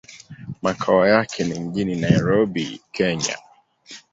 Makao yake ni mjini Nairobi, Kenya.